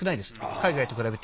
海外と比べて。